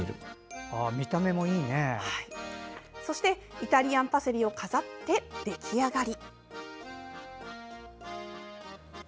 イタリアンパセリを飾って出来上がり。